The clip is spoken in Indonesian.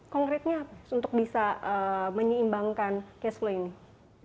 konkretnya apa untuk bisa menyeimbangkan cash flow ini